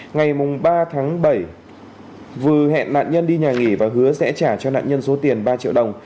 ngày ba tháng bảy vừa hẹn nạn nhân đi nhà nghỉ và hứa sẽ trả cho nạn nhân số tiền ba triệu đồng